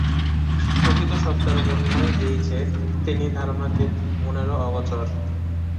প্রকৃত সত্তার মহিমাই এই যে, তিনি ধারণাতীত, মনেরও অগোচর।